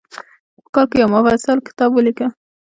په کال کې یو مفصل کتاب ولیکه.